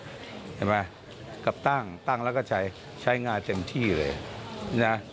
เห็นไหมกับตั้งตั้งแล้วก็ใช้ใช้งานเต็มที่เลยนะ